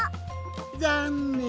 ざんねん。